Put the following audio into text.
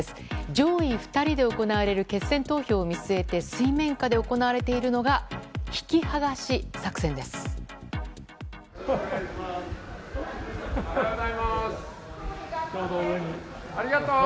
上位２人で行われる決選投票を見据えて水面下で行われているのが引きはがし作戦です。